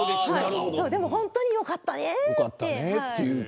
でも本当によかったねって。